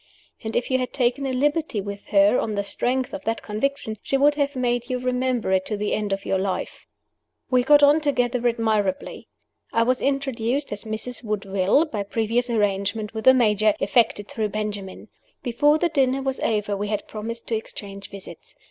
And if you had taken a liberty with her, on the strength of that conviction, she would have made you remember it to the end of your life. We got on together admirably. I was introduced as "Mrs. Woodville," by previous arrangement with the Major effected through Benjamin. Before the dinner was over we had promised to exchange visits.